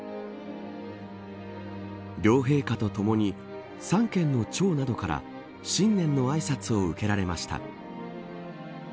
両陛下とともに三権の長などから新年のあいさつを受けられました。